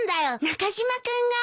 中島君が？